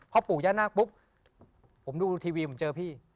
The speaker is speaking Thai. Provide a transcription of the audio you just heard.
พ่อปู่ย่างหน้าปุ๊บผมดูทีวีผมเจอพี่